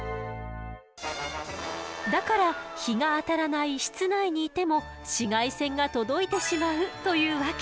だから日が当たらない室内にいても紫外線が届いてしまうというわけ。